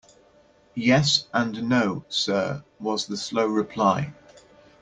Yes, and no, sir, was the slow reply.